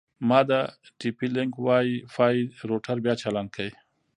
ما د ټي پي لینک وای فای روټر بیا چالان کړ.